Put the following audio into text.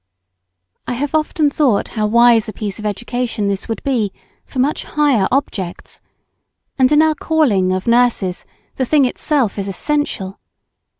I have often thought how wise a piece of education this would be for much higher objects; and in our calling of nurses the thing itself is essential.